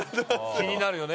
気になるよね